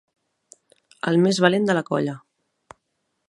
El més valent de la colla.